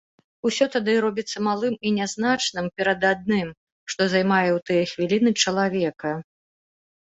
Усё тады робіцца малым і нязначным перад адным, што займае ў тыя хвіліны чалавека.